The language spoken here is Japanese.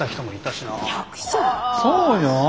そうよ。